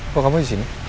kok kamu di sini